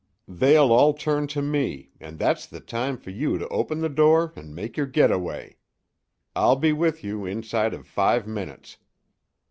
They'll all turn to me, and that's the time for you to open the door and make your getaway. I'll be with you inside of five minutes."